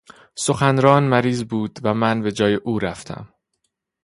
سخنران مریض بود و من به جای او رفتم.